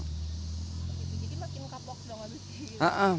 jadi makin kapok dong abis itu